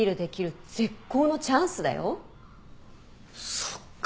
そっか。